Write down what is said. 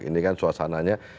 ini kan suasananya